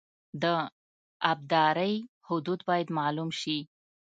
د ابدارۍ حدود باید معلوم شي